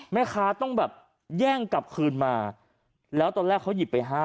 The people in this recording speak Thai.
แม่ค้าต้องแบบแย่งกลับคืนมาแล้วตอนแรกเขาหยิบไปห้า